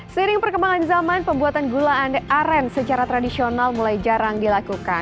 seiring perkembangan zaman pembuatan gula aren secara tradisional mulai jarang dilakukan